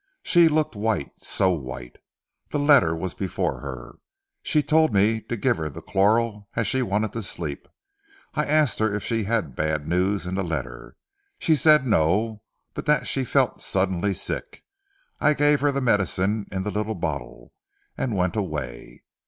She looked white, so white. The letter was before her. She told me to give her the chloral as she wanted to sleep. I asked her if she had bad news in the letter. She said no, but that she felt suddenly sick. I gave her the medicine in the little bottle, and went away.